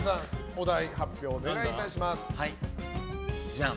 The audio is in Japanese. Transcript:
お題発表お願いいたします。